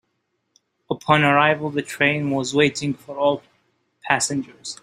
Upon arrival, the train was waiting for all passengers.